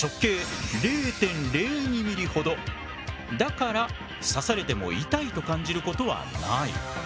その針だから刺されても痛いと感じることはない。